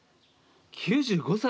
９５歳？